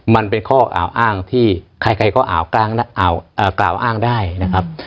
มันเป็นข้อกล่าวอ้างที่ใครก็กล่าวอ้างได้นะครับ